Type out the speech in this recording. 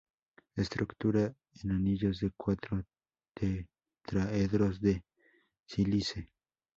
Estructura en anillos de cuatro tetraedros de sílice.